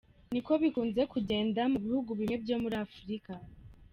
Niko bikunze kugenda mu bihugu bimwe byo muri Afurika.